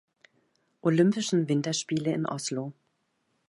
Olympischen Winterspiele in Oslo.